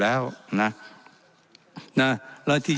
และยังเป็นประธานกรรมการอีก